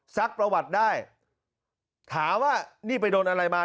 ซักประวัติได้ถามว่านี่ไปโดนอะไรมา